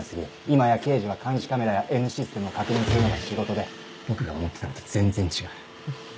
今や刑事は監視カメラやＮシステムを確認するのが仕事で僕が思ってたのと全然違う。